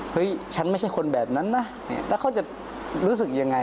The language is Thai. ฉันไม่ใช่คนแบบนั้นนะแล้วเขาจะรู้สึกยังไง